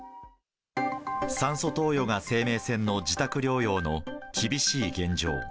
酸素投与が生命線の自宅療養の厳しい現状。